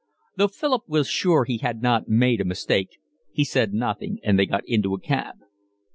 Though Philip was sure he had not made a mistake, he said nothing, and they got into a cab.